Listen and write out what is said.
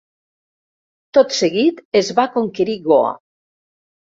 Tot seguit es va conquerir Goa.